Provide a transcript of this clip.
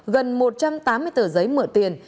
gần một trăm tám mươi tờ giấy mượn tiền